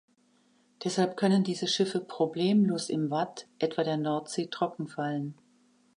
Deshalb können diese Schiffe problemlos im Watt etwa der Nordsee trockenfallen.